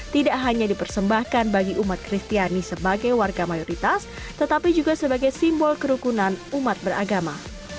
tidak hanya dipersembahkan bagi umat kristiani sebagai warga mayoritas tetapi juga sebagai simbol kerukunan umat beragama